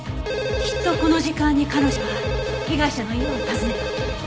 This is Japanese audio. きっとこの時間に彼女は被害者の家を訪ねた。